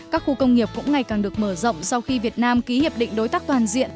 các khu công nghiệp cũng ngày càng được mở rộng sau khi việt nam ký hiệp định đối tác toàn diện